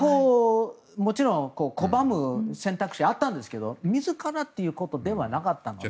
拒む選択肢はあったんですけど自らということではなかったんです。